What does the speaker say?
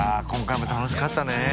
今回も楽しかったね。